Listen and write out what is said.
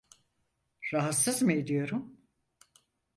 Rahatsız mı ediyorum?